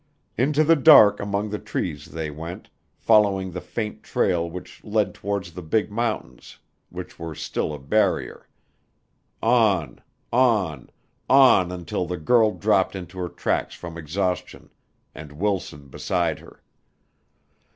Into the dark among the trees they went, following the faint trail which led towards the big mountains which were still a barrier, on on on until the girl dropped in her tracks from exhaustion and Wilson beside her.